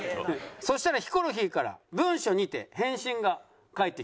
そしたらヒコロヒーから文書にて返信が返ってきました。